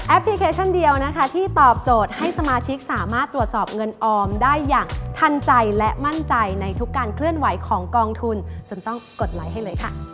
พลิเคชันเดียวนะคะที่ตอบโจทย์ให้สมาชิกสามารถตรวจสอบเงินออมได้อย่างทันใจและมั่นใจในทุกการเคลื่อนไหวของกองทุนจนต้องกดไลค์ให้เลยค่ะ